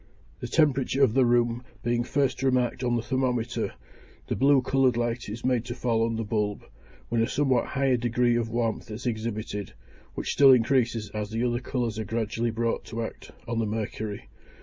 The temperature of the room being first remarked on the thermometer, the blue coloured light is made to fall on the bulb, when a somewhat higher degree of warmth is exhibited, which still increases as the other colours are gradually brought to act on the mercury.